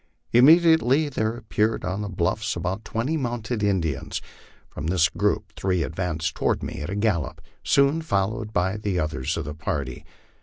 Immediately there appeared on the bluffs about twenty mounted Indians; from this group three advanced toward me at a gal lop, soon followed by the others of the party.